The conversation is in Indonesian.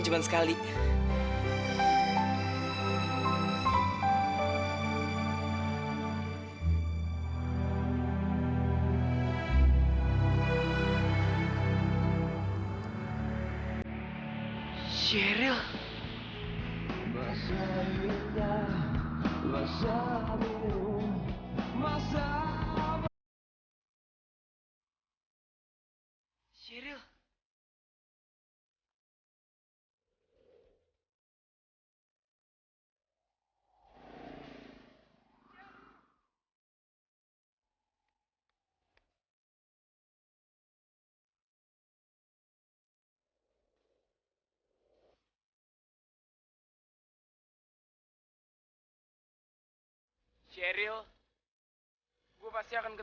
dia naik permadani terbang